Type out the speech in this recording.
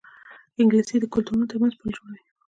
انګلیسي د کلتورونو ترمنځ پل جوړوي